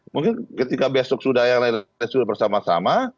mungkin ketika besok sudah bersama sama